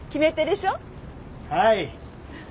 はい！